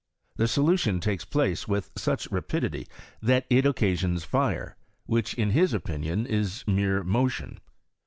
The solution takes place with such rapidity that it occasions fire, which in his opinion is mere motion.